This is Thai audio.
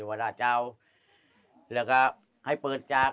เพื่อข้ปเลี่ยง